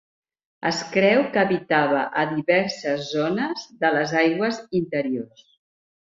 Es creu que habitava a diverses zones de les aigües interiors.